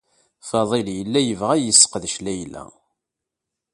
Faḍil yella yebɣa ad yesseqdec Layla.